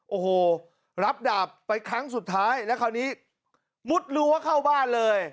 โอ้โหรับดาบไปครั้งสุดท้ายแล้วคราวนี้มุดรั้วเข้าบ้านเลย